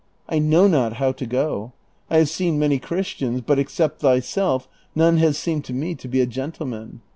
I know not how to go. I have seen many Christians, but except thyself none has seemed to me to be a gentleman.